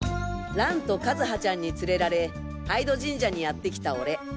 蘭と和葉ちゃんに連れられ杯戸神社にやってきた俺。